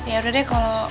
ya udah deh kalau